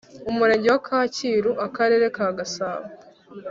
Umurenge wa Kacyiru Akarere ka Gasabo